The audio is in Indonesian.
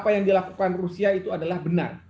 apa yang dilakukan rusia itu adalah benar